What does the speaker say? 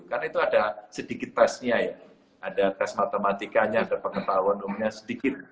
karena itu ada sedikit tesnya ya ada tes matematikanya ada pengetahuan umumnya sedikit